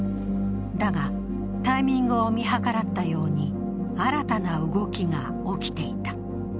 だが、タイミングを見計らったように新たな動きが起きていた。